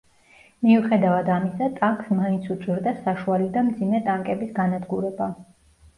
მიუხედევად ამისა ტანკს მაინც უჭირდა საშუალი და მძიმე ტანკების განადგურება.